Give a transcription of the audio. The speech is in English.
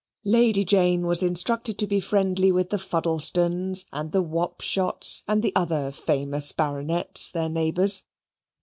Lady Jane was instructed to be friendly with the Fuddlestones, and the Wapshots, and the other famous baronets, their neighbours.